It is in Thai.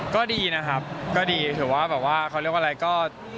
ก็ดีนะครับก็ดีถือว่าแบบว่าเขาเรียกว่าอะไรก็